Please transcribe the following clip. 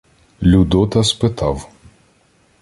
Людота спитав: